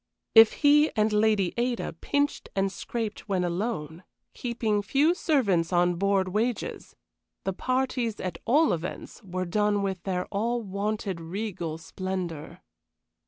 If he and Lady Ada pinched and scraped when alone, keeping few servants on board wages, the parties, at all events, were done with all their wonted regal splendor.